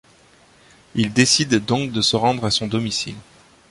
Il décide donc de se rendre à son domicile.